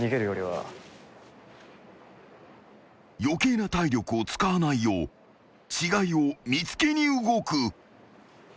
［余計な体力を使わないよう違いを見つけに動く］